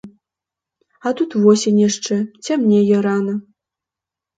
А тут восень яшчэ, цямнее рана.